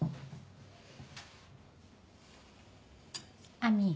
亜美